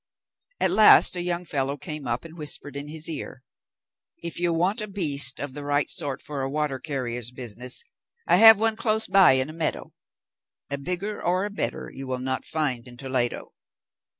At last a young fellow came up, and whispered in his ear, "If you want a beast of the right sort for a water carrier's business, I have one close by in a meadow; a bigger or a better you will not find in Toledo.